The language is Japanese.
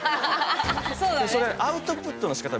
それアウトプットのしかた